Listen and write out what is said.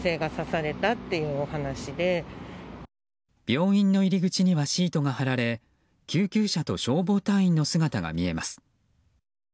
病院の入り口にはシートが張られ救急車と消防隊員の姿が見えます。